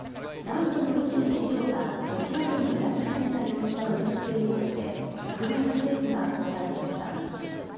南部の都市の市長が、ロシア軍に拉致された様子が写っているとして、ウクライナ政府が公開しました。